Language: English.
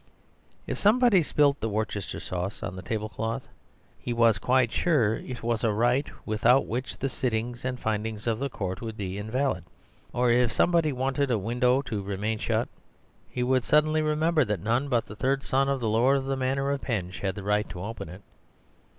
If somebody spilt the Worcester Sauce on the tablecloth, he was quite sure it was a rite without which the sittings and findings of the Court would be invalid; or if somebody wanted a window to remain shut, he would suddenly remember that none but the third son of the lord of the manor of Penge had the right to open it.